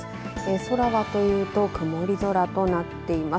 空はというと曇り空となっています。